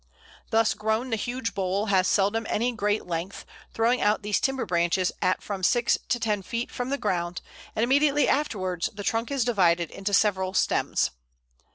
Thus grown, the huge bole has seldom any great length, throwing out these timber branches at from six to ten feet from the ground, and immediately afterwards the trunk is divided into several stems.